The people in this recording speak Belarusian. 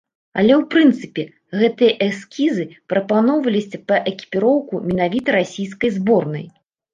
Але, у прынцыпе, гэтыя эскізы прапаноўваліся па экіпіроўку менавіта расійскай зборнай.